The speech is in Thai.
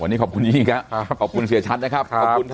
วันนี้ขอบคุณหญิงครับขอบคุณเสียชัดนะครับ